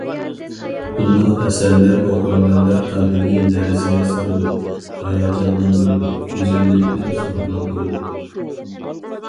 بۇنداق ئەسەرلەر ئوقۇرمەنلەر قەلبىنى لەرزىگە سالىدۇ، ھاياجانلاندۇرىدۇ، گۈزەللىكتىن زوقلاندۇرىدۇ.